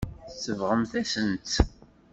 Tsebɣemt-asent-tt.